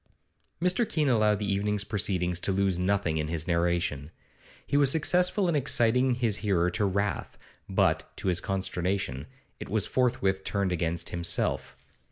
Mr. Keene allowed the evening's proceedings to lose nothing in his narration. He was successful in exciting his hearer to wrath, but, to his consternation, it was forthwith turned against himself.